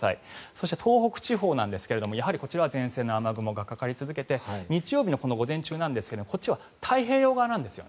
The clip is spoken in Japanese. そして、東北地方ですがやはり、こちらは前線の雨雲がかかり続けて日曜日の午前中なんですがこちらは太平洋側なんです。